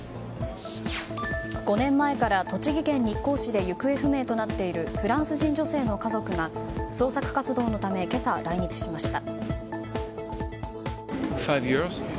５年前から栃木県日光市で行方不明となっているフランス人女性の家族が捜索活動のため今朝、来日しました。